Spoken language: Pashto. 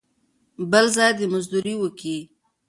بل ځای دې مزدوري وکي.